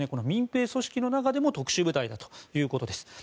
民兵組織の中でも特殊部隊だということです。